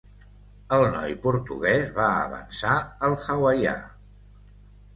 El noi portuguès va avançar el hawaià.